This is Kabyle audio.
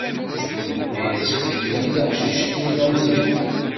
Yenna-yasen fket-iyi taqcict-nni tameẓyant.